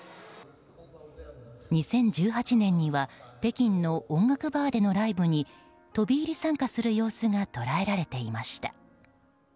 ２０１８年には北京の音楽バーでのライブに飛び入り参加する様子が捉えられていました。